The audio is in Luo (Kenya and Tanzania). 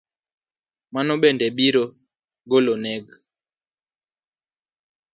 Mano bende biro goloneg